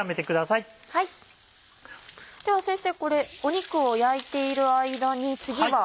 では先生肉を焼いている間に次は。